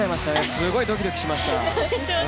すごいドキドキしました。